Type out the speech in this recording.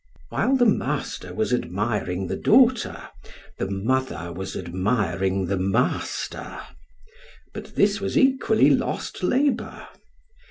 While the master was admiring the daughter, the mother was admiring the master, but this was equally lost labor.